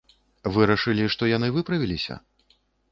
Вырашылі, што яны выправіліся?